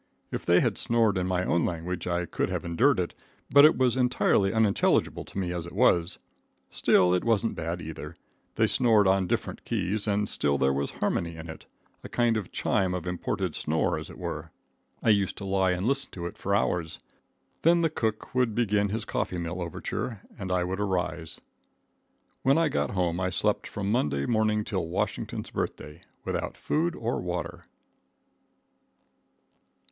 If they had snored in my own language I could have endured it, but it was entirely unintelligible to me as it was. Still, it wasn't bad either. They snored on different keys, and still there was harmony in it a kind of chime of imported snore as it were. I used to lie and listen to it for hours. Then the cook would begin his coffee mill overture and I would arise. When I got home I slept from Monday morning till Washington's Birthday, without food or water.